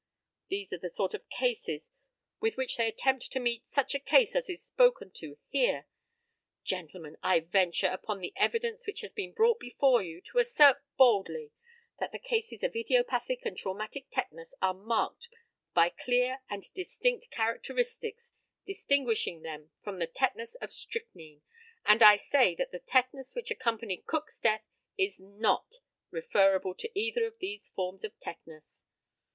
These are the sort of cases with which they attempt to meet such a case as is spoken to here. Gentlemen, I venture, upon the evidence which has been brought before you, to assert boldly, that the cases of idiopathic and traumatic tetanus are marked by clear and distinct characteristics distinguishing them from the tetanus of strychnine; and I say that the tetanus which accompanied Cook's death is not referable to either of these forms of tetanus.